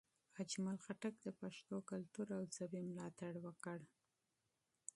اجمل خټک د پښتنو کلتور او ژبې ملاتړ وکړ.